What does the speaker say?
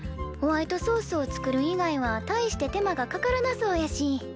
ホワイトソースを作る以外は大して手間がかからなそうやし。